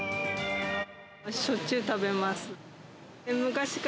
しょっちゅう食べます。